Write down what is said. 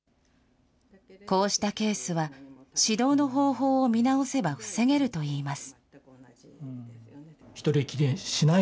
こうしたケースは、指導の方法を見直せば防げるといいます。